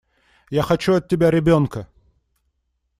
Я хочу от тебя ребёнка!